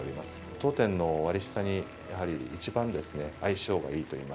当店の割り下に、やはり一番相性